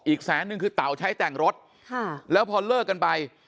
แสนนึงคือเต่าใช้แต่งรถค่ะแล้วพอเลิกกันไป